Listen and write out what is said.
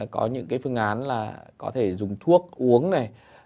có những cái phương án là có thể dùng thuốc uống này